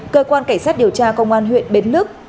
cơ quan cảnh sát điều tra công an huyện bến lức